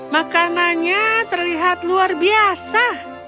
makanannya terlihat luar biasa